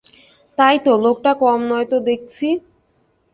তাই তো, লোকটা কম নয় তো দেখছি।